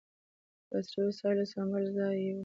په عصري وسایلو سمبال ځای یې و.